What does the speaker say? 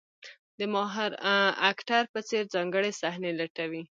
د ماهر اکټر په څېر ځانګړې صحنې لټوي.